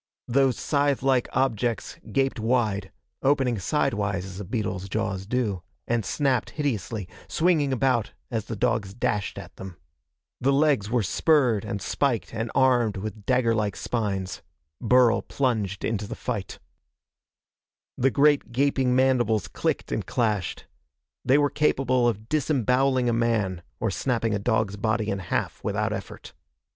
Those scythe like objects gaped wide opening sidewise as a beetle's jaws do and snapped hideously, swinging about as the dogs dashed at them. The legs were spurred and spiked and armed with dagger like spines. Burl plunged into the fight. [Illustration: "Those scythe like objects gaped wide ... as the dogs dashed at them."] The great gaping mandibles clicked and clashed. They were capable of disemboweling a man or snapping a dog's body in half without effort.